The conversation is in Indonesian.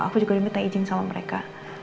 aku juga diminta izin sama mereka